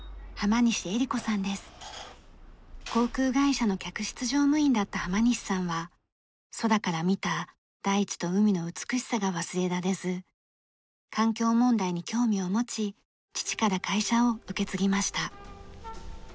航空会社の客室乗務員だった浜西さんは空から見た大地と海の美しさが忘れられず環境問題に興味を持ち父から会社を受け継ぎました。